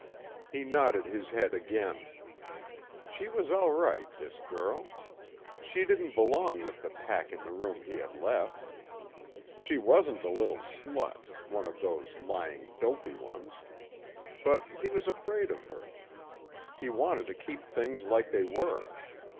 He nodded his head again. She was all right this girl. She didn't belong with the pack in the room he had left. She wasn't a little slut ... one of those lying, filthy ones. But he was afraid of her. He wanted to keep things like they were.